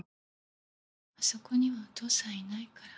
あそこにはお父さんいないから。